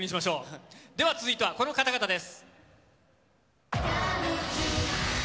続いてはこの方々です。